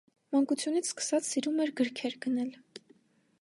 Մանկությունից սկսած սիրում էր գրքեր գնել։